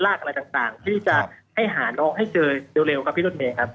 อะไรต่างที่จะให้หาน้องให้เจอเร็วครับพี่รถเมย์ครับ